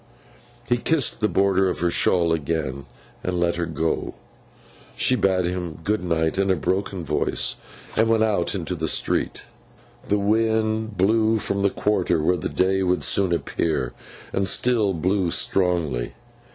He kissed the border of her shawl again, and let her go. She bade him good night in a broken voice, and went out into the street. The wind blew from the quarter where the day would soon appear, and still blew strongly.